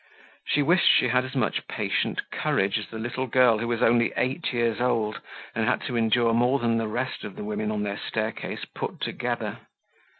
She wished she had as much patient courage as the little girl who was only eight years old and had to endure more than the rest of the women on their staircase put together.